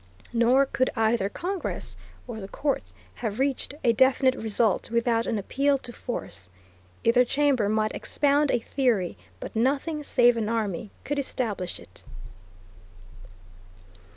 Nor could either Congress or the Court have reached a definite result without an appeal to force. Either chamber might expound a theory, but nothing save an army could establish it.